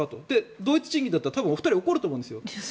同一賃金だったら多分お二人怒ると思うんです。